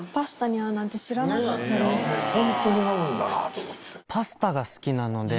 ホントに合うんだなと思って。